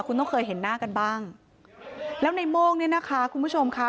คุณต้องเคยเห็นหน้ากันบ้างแล้วในโม่งเนี่ยนะคะคุณผู้ชมค่ะ